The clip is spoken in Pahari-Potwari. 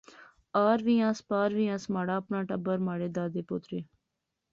آر وی آنس، پار وی آنس، مہاڑا اپنا ٹبر، مہاڑے دادے پوترے